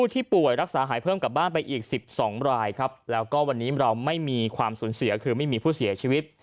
ที่ป่วยรักษาหายเพิ่มกลับบ้านไปอีก๑๒รายครับแล้วก็วันนี้เราไม่มีความสูญเสียคือไม่มีผู้เสียชีวิต